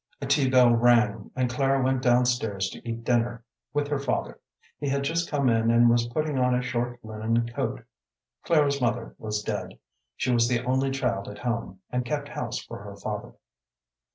A tea bell rang, and Clara went down stairs to eat dinner with her father. He had just come in and was putting on a short linen coat. Clara's mother was dead. She was the only child at home, and kept house for her father.